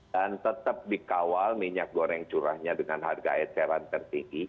dan tetap dikawal minyak goreng curahnya dengan harga eceran tertinggi